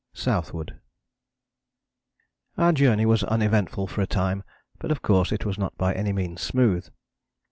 Our journey was uneventful for a time, but of course it was not by any means smooth.